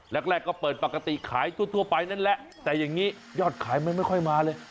แรกก็เปิดปกติขายทั่วไปนั่นแหละแต่อย่างนี้ยอดขายไม่ค่อยมาเลย